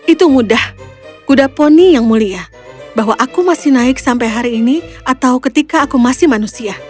itu mudah kuda poni yang mulia bahwa aku masih naik sampai hari ini atau ketika aku masih manusia